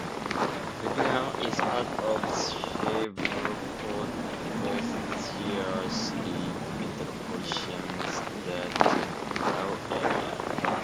Vivian is part of the Shreveport-Bossier City Metropolitan Statistical Area.